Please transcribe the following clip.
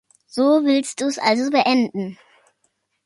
So willst du es also beenden.